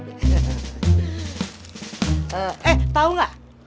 eh tahu gak